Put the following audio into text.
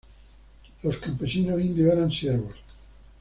Los campesinos indios eran siervos.